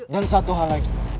dan satu hal lagi